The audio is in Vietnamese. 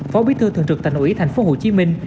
phó bí thư thường trực thành ủy thành phố hồ chí minh